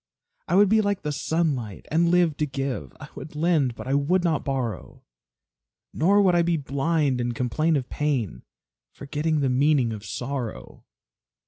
I would be like the sunlight, and live to give; I would lend but I would not borrow; Nor would I be blind and complain of pain, Forgetting the meaning of sorrow.